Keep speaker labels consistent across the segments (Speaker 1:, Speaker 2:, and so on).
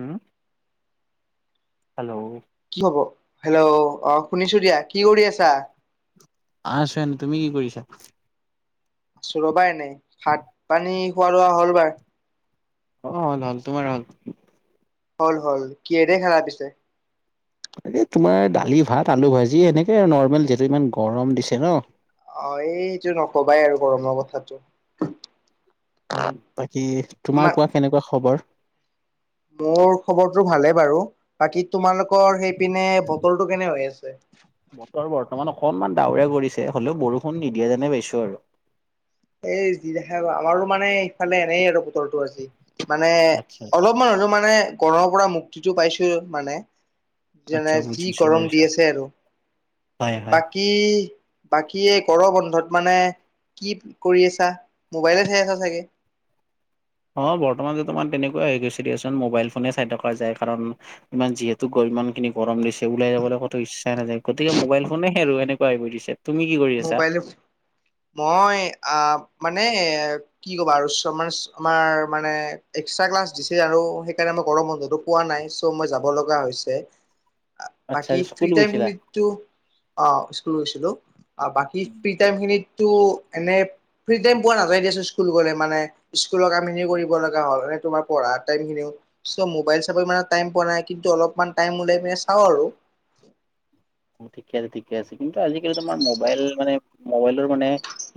Speaker 1: উ হেল্ল'।
Speaker 2: কি হ'ব। হেল্ল' অ' শুনিছো দিয়া। কি কৰি আছা?
Speaker 1: আছো এনে। তুমি কি কৰিছা?
Speaker 2: আছো ৰ'বা এনেই। ভাত পানী খোৱা লোৱা হ'ল নাই।
Speaker 1: অ' হ'ল হ'ল, তোমাৰ হ'ল।
Speaker 2: হ'ল হ'ল, কিহেৰে খালা পিছে?
Speaker 1: এই তোমাৰ দালি ভাত, আলু ভাজি, এনেকে নৰ্মেল। যিহেতু ইমান গৰম দিছে ন।
Speaker 2: অ', এইযে নকবাই আৰু গৰমৰ কথাটো।
Speaker 1: উম্, বাকী
Speaker 2: মা
Speaker 1: তোমাৰ কোৱা। কেনেকুৱা খবৰ?
Speaker 2: মোৰ খবৰটো ভালে বাৰু। বাকী তোমালোকৰ সেইপিনে বতৰটো কেনে হৈ আছে?
Speaker 1: বতৰ বৰ্তমান অকনমান ডাৱৰীয়া কৰিছে। হ'লেও বৰষুণ নিদিয়ে যেনে পাইছো আৰু।
Speaker 2: এই যি দেখা, আমাৰো মানে এইফালে এনেই আৰু বতৰটো আজি। মানে,
Speaker 1: আচ্ছা,
Speaker 2: অলপমান হ'লেও মানে গৰমৰ পৰা মুক্তিটো পাইছো মানে। যেনে,
Speaker 1: আচ্ছা
Speaker 2: যি
Speaker 1: বুজিছো
Speaker 2: গৰম
Speaker 1: বুজিছো,
Speaker 2: দি আছে আৰু।
Speaker 1: হয় হয়।
Speaker 2: বাকী, বাকী গৰম বন্ধত মানে। কি কৰি আছা? মোবাইলে চাই আছা চাগে।
Speaker 1: অ' বৰ্তমানটো তোমাৰ তেনেকুৱা হৈ গৈছে দিয়াচোন, মোবাইল ফোনে চাই থকা যায়। কাৰণ ইমান যিহেতু। ইমানখিনি গৰম দিছে ওলাই যাবলৈ ক'তো ইচ্ছা নাযায়। গতিকে মোবাইল ফোনে আৰু এনেকুৱা হৈ গৈছে।
Speaker 2: মোবাইলত, মই আহ্। মানে, কি ক'বা আৰু চাৰ্মাৰচ আমাৰ মানে এক্সটা ক্লাছ দিছে আৰু সেইকাৰণে গৰম বন্ধটো পোৱা নাই চ' মই যাব লগা হৈছে
Speaker 1: আচ্ছা,
Speaker 2: বাকী ফ্ৰী
Speaker 1: স্কুল গৈছিলা?
Speaker 2: টাইমখিনিতো, অ', স্কুল গৈছিলোঁ বাকী ফ্ৰী টাইম খিনিত এনে ফ্ৰী টাইম পোৱা নাযায় দিয়ছো, স্কুল গ'লে মানে, স্কুলৰ কামখিনি কৰিব লগা হ'ল। পঢ়া টাইমখিনি, চো মোবাইল চাবলে ইমান টাইম পোৱা নাই, কিন্ত অলপমান টাইম উলাই কিনে চাওঁ আৰু [inaudible]
Speaker 1: ঠিকে আছে, ঠিকে আছে, কিন্তু আজিকালি তোমাৰ মোবাইল মানে, মোবাইলৰ মানে,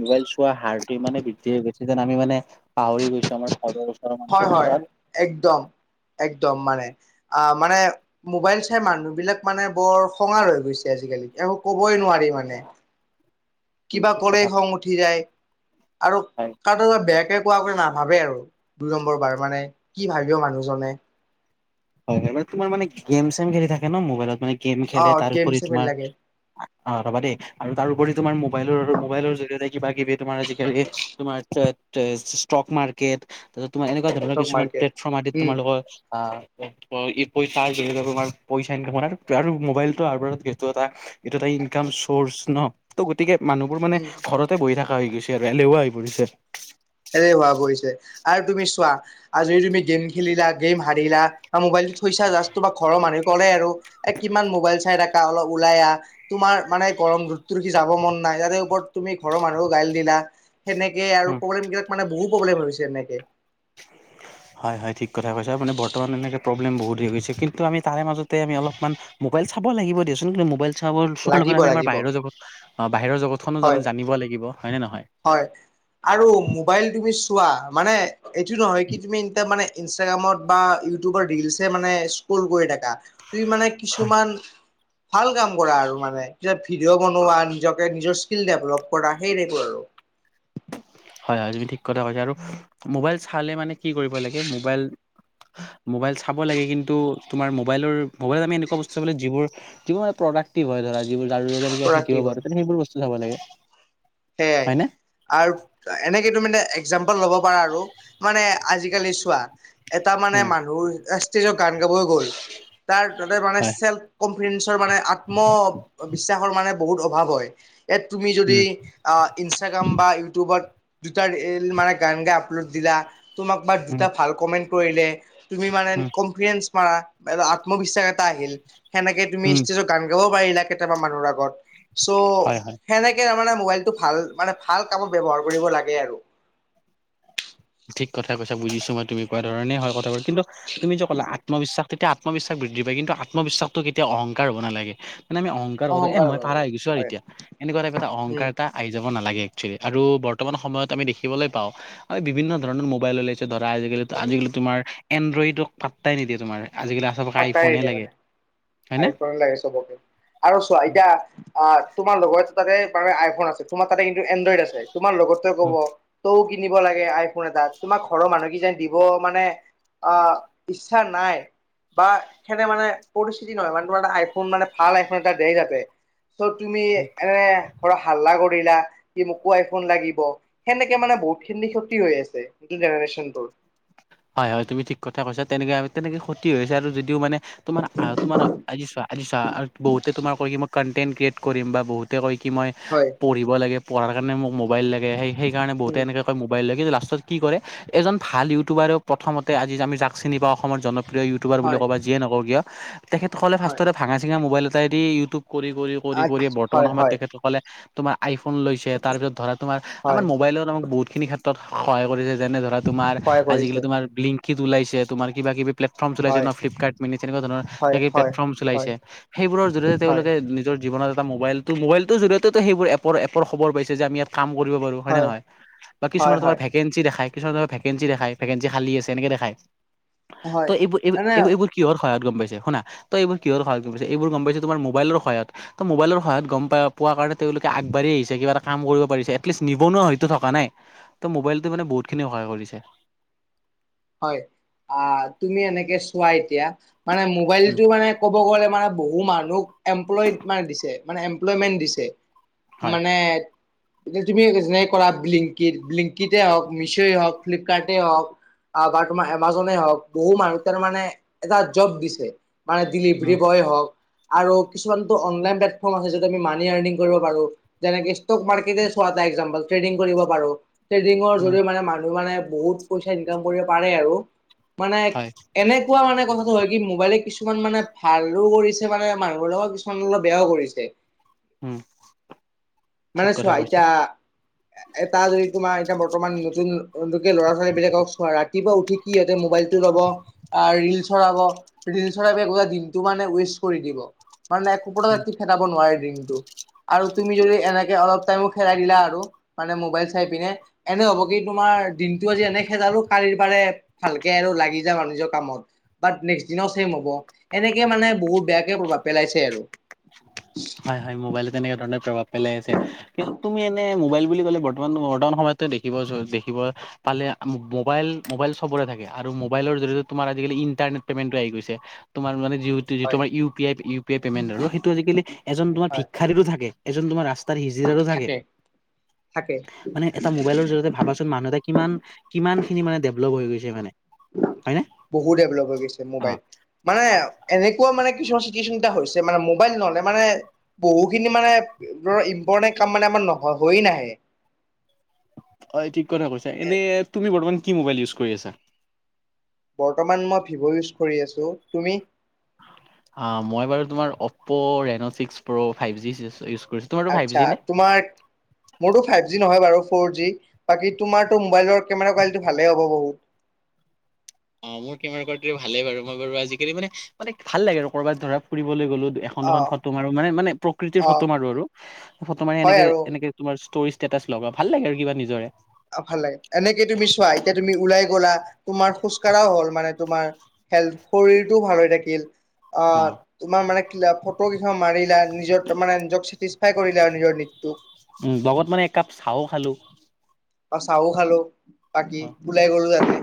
Speaker 1: মোবাইল চোৱা হাৰটোৱে মানে বৃদ্ধি হৈ গৈছে, যেন আমি মানে পাহৰি গৈছোঁ আমাৰ ঘৰৰ ওচৰৰ মানুহ
Speaker 2: হয়,
Speaker 1: চানুহ
Speaker 2: হয়,
Speaker 1: বিলাক আৰু
Speaker 2: একদম, একদম মানে অ', মানে মোবাইল চাই মানুহবিলাক মানে, বৰ খঙাল হৈ গৈছে আজিকালি, একো ক'বই নোৱাৰি মানে কিবা
Speaker 1: ঠিক
Speaker 2: কৰে
Speaker 1: কথা
Speaker 2: খং উঠি যায় আৰু
Speaker 1: হয়
Speaker 2: তাত বেয়াকে কোৱাবোৰ নাভাবে আৰু, দুই নম্বৰ বাৰ মানে, কি ভাবিব মানুহজনে
Speaker 1: হয়, হয়, মানে তোমাৰ মানে গেম চেম খেলি থাকে ন, মোবাইলত মানে গেম
Speaker 2: অ
Speaker 1: খেলে তাৰ
Speaker 2: গেম
Speaker 1: উপৰি
Speaker 2: চেমে
Speaker 1: তোমাৰ
Speaker 2: লাগে
Speaker 1: অ ৰ'বা দেই, আৰু তাৰপৰি তোমাৰ মোবাইলৰ মোবাইলৰ জৰিয়তে কিবা কিবি তোমাৰ আজিকালি তোমাৰ ষ্টক মাৰ্কেট, ত তোমাৰ এনেকুৱা ধৰণৰ
Speaker 2: ষ্টক
Speaker 1: কিছুমান
Speaker 2: মাৰ্কেট
Speaker 1: প্লেটফৰ্ম আদিত
Speaker 2: উম
Speaker 1: তোমালোকৰ আ ই তাৰ জৰিয়তে তোমাৰ পইচা ইনকাম আৰু মোবাইলতটো আৰু সেইটো এটা এই ইনকাম চৰ্চ ন, তো গতিকে মানুহবোৰ মানে
Speaker 2: উম
Speaker 1: ঘৰতে বহি থকা হৈ গৈছে আৰু এলেহুৱা হৈ পৰিছে।
Speaker 2: এলেহুৱা হৈ হোৱা পৰিছে আৰু তুমি চোৱা আজি যদি তুমি গেম খেলিলা গেম হাৰিলা বা মোবাইল টো থৈছা জাষ্ট, বা ঘৰৰ মানুহে ক'লে আৰু, এ কিমান মোবাইল চাই ত অলপ ওলাই আহ তোমাৰ মানে গৰম তোৰকি যাব মন নাই তাতে ওপৰত তুমি ঘৰৰ মানুহো গাল দিলা সেনেকে আৰু প্ৰব্লেম বিলাক মানে বহু প্ৰব্লেম হৈছে এনেকে
Speaker 1: হয় হয় ঠিক কথা কৈছ মানে বৰ্তমান এনেকে প্ৰব্লেম হৈ গৈছে, কিন্তু আমি তাৰে মাজতে অলপ মান মোবাইল চাব লাগিব দেচোন মোবাইল চ চোৱাৰ লগতে
Speaker 2: লাগিব
Speaker 1: আমি আমাৰ
Speaker 2: লাগিব
Speaker 1: বাহিৰৰ জগত, বাহিৰৰ জগতখনো
Speaker 2: হয়
Speaker 1: আমি জানিব লাগিব। হয় নে নহয়
Speaker 2: হয় আৰু মোবাইল মিনিছ চোৱা, মানে এইটো নহয় কি তুমি মানে ইনষ্টাগ্ৰামত বা ইউটিউবত ৰিলছয়েই মানে কৰি থাকা, তুমি মানে কিছুমান, ভাল কাম কৰা আৰু মানে ভিডিঅ' বনোৱা নিজকে, নিজৰ স্কিল ডেভেলপ কৰা সেই টাইপৰ আৰু।
Speaker 1: হয় হয় তুমি ঠিক কথা কৈছা আৰু, মোবাইল চালে মানে কি কৰিব লাগে, মোবাইল মোবাইল চাব লাগে কিন্তু, তোমাৰ মোবাইলৰ, মোবাইলত আমি এনেকুৱা বস্তু চাব যিবোৰ, যিবোৰ মানে প্ৰডাক্টিভ হয়, ধৰা যিবোৰ জ শিকিব
Speaker 2: প্ৰডাক্টিভ
Speaker 1: পাৰো সেইবোৰ বস্তু চাব লাগে।
Speaker 2: সেইয়াই,
Speaker 1: হয় নে
Speaker 2: আৰু এনেকে তুমানে এক্জাম্পল ল'ব পাৰা আৰু, মানে আজিকালি চোৱা, এটা মানে
Speaker 1: উম
Speaker 2: মানুহৰ ষ্টেজত গান গাবই গ'ল। তাৰ তাতে মানে
Speaker 1: হয়
Speaker 2: চেল্ফ কনফিডেঞ্চৰ মানে আত্ম বিশ্বাসৰ মানে বহুত অভাৱ হয়, ইয়াত তুমি যদি
Speaker 1: উম
Speaker 2: ইনষ্টাগ্ৰাম বা ইউটিউবত দুটা ৰিল মানে গান গাই আপলোড দিলা তোমাক বা
Speaker 1: উম
Speaker 2: দুটা ভাল কমেন্ট কৰিলে, তুমি মানে
Speaker 1: উম
Speaker 2: কনফিডেঞ্চ মাৰা, আত্মবিশ্বাস আহিল, সেনেকে তুমি
Speaker 1: উম
Speaker 2: ষ্টেজত গান গাব পাৰিলা কেইটামান মানুহৰ আগত। চ'
Speaker 1: হয় হয়
Speaker 2: সেনেকে মানে মোবাইল টো ভাল মানে ভাল কামত ব্যৱহাৰ কৰিব লাগে আৰু।
Speaker 1: ঠিক কথা কৈছ বুজিছো মই তুমি কোৱা ধৰণে হয় কথাবোৰ কিন্তু তুমি যে ক'লা আত্মবিশ্বাস তেতিয়া আত্মবিশ্বাস বৃদ্ধি পায় কিন্তু আত্মবিশ্বাসটো কেতিয়া অংকাৰ হ'ব নালাগে। মানে আমি অংকাৰ কৰোঁ এ
Speaker 2: অহংকাৰ
Speaker 1: মই
Speaker 2: হ'ব
Speaker 1: পাৰা
Speaker 2: লাগে
Speaker 1: হৈ গৈছোঁ আৰু
Speaker 2: হয়
Speaker 1: এতিয়া, এনেকুৱা টাইপ এটা
Speaker 2: উম
Speaker 1: অংকাৰ এটা আহি যাব। নালাগে একচুৱেলি, আৰু বৰ্তমান সময়ত আমি দেখিবলৈ পাওঁ বিভিন্ন ধৰণৰ মোবাইল ওলাইছে ধৰা, আজিকালি আজিকালি তোমাৰ এনডইডক পাট্টাই নিদিয়ে তোমাৰ আজিকালি চবকে আইফোনে লাগে। হয়
Speaker 2: আই
Speaker 1: নে?
Speaker 2: ফোন লাগে চবকে আৰু চোৱা এতিয়া আহ তোমাৰ লগৰ তাতে আইফোন আছে তোমাৰ তাতে কিন্তু এনড্ৰইড আছে। তোমাৰ লগতোৱে ক'ব টৌ কিনিব লাগে আইফোন এটা। তোমাক ঘৰৰ মানুহ কি যেন দিব মানে আহ ইচ্ছা নাই। বা সেনে মানে পৰিস্থিতি নহয় মানে তোমাৰটা আইফোন মানে ভাল আইফোন এটা দেৰ যাতে। চ' তুমি এনে ঘৰৰ হাল্লা কৰি। মোকো আই ফোন লাগিব সেনেকে মানে বহুত খিন ক্ষতি হৈ আছে, নিউ জেনেৰেচন বোৰ। [unintelligible]
Speaker 1: হয়, হয়, তুমি ঠিক কথা কৈছা, তেনেকে আমি তেনেকে ক্ষতি হৈছে আৰু যদিও মানে। তোমাৰ তোমাৰ আজিচোৱা আজিছোৱা বহুতে তোমাৰ কি মই কনটেন্ট ক্ৰিয়েট কৰিম বা বহুতে কয়। কি মই
Speaker 2: হয়
Speaker 1: পঢ়িব লাগে, পঢ়াৰ কাৰণে মোক মোবল লাগে, সেই সেই কাৰণে বহুতে
Speaker 2: উম
Speaker 1: এনেকে কৈ মোবাইল লাগে কিন্তু। কি কৰে এজন ভাল ইউটিউবাৰে প্ৰথমতে আজি আমি জাক চিনি পাওঁ, অসমৰ জনপ্ৰিয় প্ৰিয় ইউটিবাৰ বুলি
Speaker 2: হয়
Speaker 1: ক'ব যিয়ে নকওঁ কিয়। তেখেতসকলে
Speaker 2: হয়
Speaker 1: ফিৰ্তততে ভাঙা চিঙা মোবাইল এটাই দি ইউটিউব কৰি কৰি কৰি
Speaker 2: আ
Speaker 1: কৰি বৰ্তমান
Speaker 2: হয়
Speaker 1: সময়ত
Speaker 2: হয়
Speaker 1: তেখেতসকলে তোমাৰ আইফোন লৈছে। তাৰপিছত ধৰা তোমাৰ আমাৰ
Speaker 2: হয়
Speaker 1: মোবাইলত আমাক বহুতখিনি ক্ষেত্ৰত সহায় কৰিছে যেনে ধৰা তোমাৰ
Speaker 2: সহায়
Speaker 1: আজিকালি।
Speaker 2: কৰিছে
Speaker 1: টেংকিত ওলাইছে তোমাৰ কিবা কিবি। প্লেটফৰ্ম চলাইছে
Speaker 2: হয়
Speaker 1: ন ফ্লিপকাৰ্ট মিনি তেনেকুৱা ধৰণৰ
Speaker 2: হয় হয়
Speaker 1: প্লেটফৰ্ম
Speaker 2: হয়
Speaker 1: চলাইছে। সেইবোৰৰ জৰিয়তে
Speaker 2: হয়
Speaker 1: তেওঁলোকে নিজৰ জীৱনত। মোবাইলটো মোইলটো জৰিয়তেতো সেইবোৰ এপ এপৰ খবৰ পাইছে যে আমি ইয়াত কাম কৰিব পাৰো হয় নে নহয় বা
Speaker 2: হয়
Speaker 1: কিছুমানে তোমাৰ
Speaker 2: হয়
Speaker 1: ভেকেঞ্চি দেখাই। কিছুমান তোমাৰ ভেকেঞ্চি দেখাই। ভেকেঞ্চি খালি আছে এনেকে দেখাই ত'
Speaker 2: হয়
Speaker 1: এইবোৰ এই
Speaker 2: মানে
Speaker 1: এইবোৰ এইবোৰ কিহৰ। সহায়ত গ'ম পাইছে শুনা ত এইবোৰ কিহৰ সহায়ত গ'ম পাইছে, এইবোৰ গ'ম পাইছে তোমাৰ মোবাইলৰ সহায় ত মোবাইৰ সহায় গ'ম পাই। কোৱা কাৰণে তেওঁলোক আগাঢ়ি আহিছে কিব এটা কাম কৰিব পাৰিছেি, এটলিচট নিবনুৱা হয়তো থকা নাই ত মোবাইলটো মানে বহ। বহুত খিনি সহায় কৰিছে।
Speaker 2: হয় আহ তুমি এনেকে চোৱা এতিয়া মানে
Speaker 1: উম
Speaker 2: মোবাইলতটো মানে ক'ব গ'লে। মানে বহু মানুহক এমপ্লয় মানে দিছে মানে এমপ্লয়মেন্ট দিছে।
Speaker 1: হয়
Speaker 2: মানে। কোচ ভি বিজনে কৰা বিলিংকেট বিলিংকেট হওঁক মিছয় হওঁক ফ্লিপকাৰ্টেই হওঁক। বা তোমাৰ এমাজনে হওঁক বহু মানুহ তোমাৰ মানে এটা জব দিছে। মানে
Speaker 1: উম
Speaker 2: ডিলিভাৰী বয়ে হওঁক আৰু কিছুমানতো অনলাইন প্লেটফৰ্ম আছে য'ত। যেনে মানি আৰনিগ কৰিব পাৰো, যেনে ষ্টক মাৰ্কেট চোৱা এটা এক জামপল ট্ৰেডিং কৰিব পাৰো, ট্ৰেডিং
Speaker 1: উম,
Speaker 2: জৰিয়ে মানুহ মানে বহুত পইচা ইনকাম কৰিব পাৰে আৰু মানে
Speaker 1: হয়,
Speaker 2: এনেকুৱা কথা টো হয় কি মোবাইলে কিছু। কিছুমান মানে ভালো কৰিছে মানে মানুহৰ লগত কিছুমান অলপ বেয়াও কৰিছে।
Speaker 1: উম, ঠিক
Speaker 2: মানে
Speaker 1: কথা
Speaker 2: চোৱা
Speaker 1: কৈছা।
Speaker 2: এতিয়া এটা যদি তোমাৰ এতিয়া বৰ্তমান। লোকে ল'ৰা ছোৱালী বিলাকক। ৰাতিপুৱা উঠি সিহঁতে মোবাইলতটো ল'ব ৰিল চৰাব ৰিল চৰাব গোটেই দিনটো মান। উইষ্ট কৰি দিব মানে কোপ ৰাতি ফেটাব নোৱাৰে দিনটো। আৰু তুমি যদি এনেকে অলপ টাইমো খেদাই দিলা আৰু মানে মোবাইল চাই পিনে এনে হ'ব কি তোমাৰ। দিনটো আজি এনে খেদালো। কালিৰ পাৰে ভালকে আৰু লাগি যাব আৰু নিজৰ কামত বাট নেক্স দিনাও চেম হ'ব। এনেকে মানে বহুত বেয়াকে প্ৰভাৱ পেলাইছে আৰু।
Speaker 1: হয়, হয়, মোবাইলে তেনেকুৱা ধৰণে প্ৰভাৱ পেলাই আছে, কিন্তু তুমি এনে ম'বাইল। বুলি ক'লে বৰ্তমান মডাৰণ সময় দে দেখিব পালে মবাইল মবাইল চবৰে থাকে আৰু। মোবাইল জৰিয়তে তোমাৰ আজি কালি ইন্টাৰনেট পেমেণ্ট টো আহি গৈছে, তোমাৰ মানে
Speaker 2: হয়
Speaker 1: যিটোমাৰ U P I U P I payment আৰু সেইটো আজিকালি এজন তোমাৰ
Speaker 2: হয়
Speaker 1: ভিক্ষাৰীৰো থাকে এজন তোমাৰ ৰা ৰাস্তাতাৰ হিজিৰাৰো থাকে।
Speaker 2: থাকে
Speaker 1: মানে এটা মোবাইলৰ জৰিয়তে ভাবাচোন মানুহ এটা কিমান কিমান খিনি মানে ডেভলপ হৈ গৈছে। মানে হয়নে।
Speaker 2: বহুত ডেভেলপ হৈ গৈছে মোবাইল।
Speaker 1: অ',
Speaker 2: মানে এনেকুৱা মানে কিছুমান চিতুৱেশচন এটা হৈছে মানে মোবাইল নহ'লে মানে বহুখিনি মানে ধৰ ইম্পৰ্টেন্ট কাম মানে আমাৰ নহয় হয়য়ে নাহে।
Speaker 1: হয় ঠিক কথা কৈছা। এনে তুমি বৰ্তমান কি মোবাইল ইউজ কৰি আছা?
Speaker 2: বৰ্তমান মই ভিভ' ইউজ কৰি আছো, তুমি?
Speaker 1: অ', মই বাৰু তোমাৰ Oppo Reno six pro five G [unintelligible] five
Speaker 2: আতছা
Speaker 1: জি নে?
Speaker 2: তোমাৰ মোৰ ফাইভ জি নহয় বাৰু ফৰ জি বাকী তোমাৰতো মোবাইলৰ কেমেৰা কোৱালিটি ভালে হ'ব বহুত।
Speaker 1: অ', মোৰ কেমেৰা কোৱালিটিটো ভালে বাৰু মই বাৰু আজিকালি মানে মানে ভাল লাগে আৰু ক'ৰবাত ধৰা ফুৰিবলৈ গ'লো। এখন দুখন
Speaker 2: অ',
Speaker 1: ফটো মাৰো মানে। মানে প্ৰকৃতিৰ
Speaker 2: অ',
Speaker 1: ফটো মাৰো আৰু ফটো মাৰি
Speaker 2: হয়
Speaker 1: এনেকে
Speaker 2: আৰু।
Speaker 1: এনেকে তোমাৰ স্তৰিত ষ্টেটাচ লগাও ভাল লাগে আৰু কিবা নিজৰে।
Speaker 2: ভাল লাগে এনেকে তুমি চোৱা এতিয়া তুমি ওলাই গলা তোমাৰ খোজ কঢ়াও হ'ল মানে তোমাৰ হেল্থ শৰীৰটো ভাল হৈ থাকিল। অ', তোমাৰ মানে ফটো কেইখন মাৰিলা নিজৰ মানে নিজক চেটিছফাই কৰিলা আৰু নিজৰ। [inaudible]
Speaker 1: উম, লগত মানে একাপ চাহো খা
Speaker 2: বা চাহো খালো বাকী ওলাই গ'লো [unintelligible]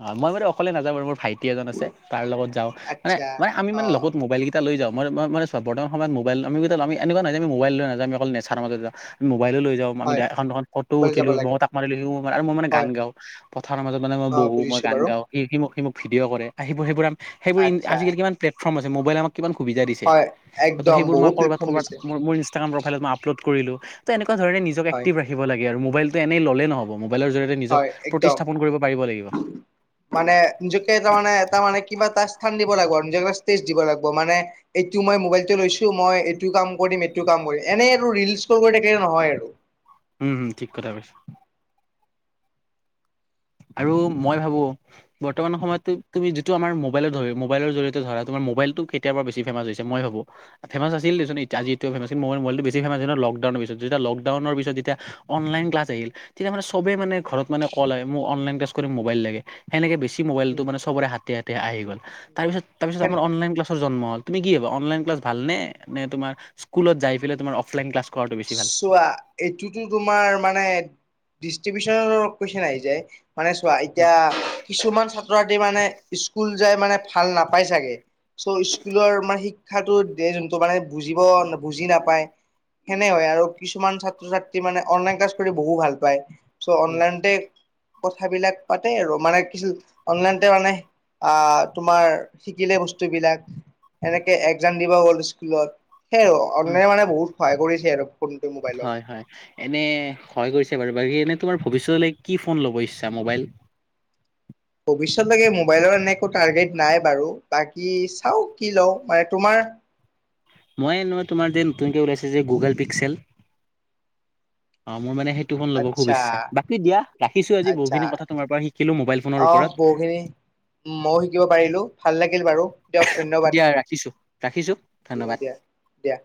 Speaker 1: হয়, মই মানে অকলে নাযাও মোৰ ভাইটি এজন আছে তাৰ লগত যাওঁ। মানে
Speaker 2: আচ্ছা
Speaker 1: মানে আমি
Speaker 2: অ
Speaker 1: মানে লগত মোবাইল কেইটা এ লৈ যাওঁ। মই মানে বৰ্তমান সময় মোবাইল আমি কেইটা এনেকুৱা নহয় যে মোবাই লই নাযাওঁ যি অকল নেচাৰ মাজত যাওঁ। মোবাইও লৈ যাওঁ। আমি
Speaker 2: হয়
Speaker 1: এখন দুখন ফটো
Speaker 2: বলে যাব
Speaker 1: উঠিলো মই
Speaker 2: লাগে
Speaker 1: তাক মাৰি দিলো। আৰু
Speaker 2: উম
Speaker 1: মই মানে গান
Speaker 2: হয়
Speaker 1: গাওঁ পথাৰৰ মাজত মানে মই
Speaker 2: অ
Speaker 1: বহো মই
Speaker 2: বুজিছো
Speaker 1: গান
Speaker 2: বাৰু
Speaker 1: গাওঁ। সি মোক সি মোক ভিডিঅ' কৰে আমি সেইবোৰ
Speaker 2: আচ্ছা
Speaker 1: আজিকালি কিমান প্লেটফৰ্ম আছে মোবাইলে আমাক কিমান সুবিধা দিছে।
Speaker 2: হয়
Speaker 1: ত'
Speaker 2: একদম
Speaker 1: সেইবোৰ মই
Speaker 2: বহুত
Speaker 1: ক'ৰবাত
Speaker 2: প্লেটফৰ্ম
Speaker 1: ক'ৰবাত
Speaker 2: দিছে
Speaker 1: মই মোৰ ইনষ্টাগ্ৰাম প্ৰফাইলত মই আপলোড কৰিলো। তে ধৰণে নিজক
Speaker 2: হয়
Speaker 1: এক্টিভ ৰাখিব লাগে আৰু মোবাইলটো এই ল'লে নহ'ব। মোবাইলৰ জৰিয়তে নিজক
Speaker 2: হয় একদম
Speaker 1: প্ৰতিষ্ঠাপন কৰিব পাৰিব লাগিব।
Speaker 2: মানে নিজকে তাৰমানে তাৰমানে কিবা এটা স্থান দি দিব লাগিব মানে নিজকে স্পেচ দিব লাগিব। মানে এইটো মই মোবাইলটো লৈছো মই এইটো কাম কৰিমে। এইটো কাম কৰিম এনেই ৰিলচ স্ক'ল কৰি থাকিলে নহয় আৰু।
Speaker 1: উম, উম ঠিক কথা কৈছা। আৰু মই ভাবো বৰ্তমান সময়ত তুমি যিটো আমাৰ মোবাইলত হয়, মোবাইলৰ জৰিয়তে ধৰা তোমাৰ মোবাইটো কেতিয়াৰা বেছি ফেমাছ হৈছে মই ভাবো ফেমাছ আছিল আজি এতিয়াও ফেমাছ। মোবাইলটা বেছি ফেমাছ হ'ল লকডাউন লকডাউনৰ পিছত যেতিয়া অনলাইন ক্লাছ আহিল। তেতিয়া মানে চবে মানে ঘৰত মানে কল আহে। মোৰ অনলাইন ক্লাছ কৰি মোবাইল লাগে। সেনেকে বেছি মোবাইলটো
Speaker 2: উম
Speaker 1: মানে চবৰে হাতে হাতে আহি গ'ল। তাৰ পিছত তাৰ পিছত
Speaker 2: উম
Speaker 1: আমাৰ অনলাইন ক্লাছৰ জন্ম হ'ল। তুমি কি ভাবা অনলাইন ক্লাছ ভালে নে? তোমাৰ স্কুলত যায় পেলে তোমাৰ অফলাইন ক্লা
Speaker 2: চোৱা এইটোতো তোমাৰ মানে ডিষ্ট্ৰিবিউচনৰ কোৱেচন আহি যায়। মানে চোৱা
Speaker 1: উম,
Speaker 2: এতিয়া কিছুমান ছাত্ৰ ছাত্ৰী মানে স্কুল যায় মানে ভাল নাপাই চাগে। চ' স্কুলৰ মান শিক্ষাটো যোনটো মানে বুজিব বুজি নাপায়। সেনে হয় আৰু কিছুমান ছাত্ৰ ছাত্ৰী মানে অনলাইন ক্লাছ কৰি বহু ভাল পায়। চ'
Speaker 1: উম,
Speaker 2: অনলাইনতে কথাবিলাক পাতে আৰু মানে কিছ অনলাইনতে মানে আহ তোমাৰ শিকিলে বস্তুবিলাক। এনেকে একজাম দিব হ'ল স্কুলত সেই আৰু
Speaker 1: উম,
Speaker 2: অনলাইনে মানে বহুত সহায় কৰিছে আৰু। ফোনটো মোবাইলক
Speaker 1: হয়, হয় এনে হৈ গৈছে বাৰু বাকী এনে তোমাৰ ভৱিষ্যতলৈ কি ফোন ল'ব ইচ্ছা মোবাইল?
Speaker 2: ভৱিষ্যতলৈকে মোবাইলৰ এনে একো টাৰ্গেট নাই বাৰু বাকী চাওঁ কি লওঁ। মানে তোমাৰ
Speaker 1: মই তোমাৰ যে নতুনকে ওলাইছে যে গুগল পিক্সেল। অ', মোৰ মানে ফোনটো ল'ব
Speaker 2: আচ্ছা
Speaker 1: সুব ইচ্ছা। বাকী দিয়া ৰাখিছো আজি
Speaker 2: আচ্ছা
Speaker 1: বহুতখিনি কথা তোমাৰ পৰা শিকিলো মোবাইল ফোনৰ ওপৰত।
Speaker 2: উম, ময়ো শিকিব পাৰিলো ভাল লাগিল বাৰু, দিয়ক ধন্যবাদ।
Speaker 1: দিয়া ৰাখিছো ৰাখিছো।
Speaker 2: দিয়া,
Speaker 1: ধন্যবাদ
Speaker 2: দিয়া, দিয়া।